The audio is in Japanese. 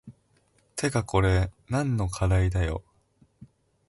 てかこれ何の課題だよ